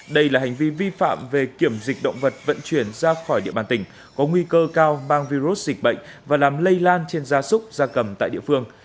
đây là hành vi vi phạm về kiểm dịch động vật vận chuyển ra khỏi địa bàn tỉnh có nguy cơ cao mang virus dịch bệnh và làm lây lan trên gia súc gia cầm tại địa phương